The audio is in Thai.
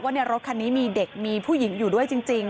ในรถคันนี้มีเด็กมีผู้หญิงอยู่ด้วยจริง